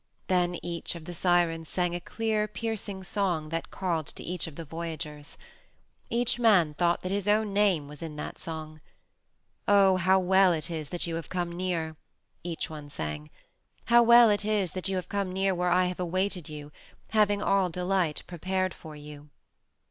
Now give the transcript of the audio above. Then each of the Sirens sang a clear, piercing song that called to each of the voyagers. Each man thought that his own name was in that song. "O how well it is that you have come near," each one sang, "how well it is that you have come near where I have awaited you, having all delight prepared for you!"